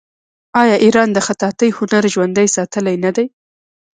آیا ایران د خطاطۍ هنر ژوندی ساتلی نه دی؟